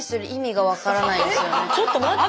ちょっと待って。